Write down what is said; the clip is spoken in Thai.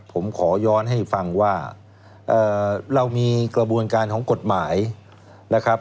ผมขอย้อนให้ฟังว่าเรามีกระบวนการของกฎหมายนะครับ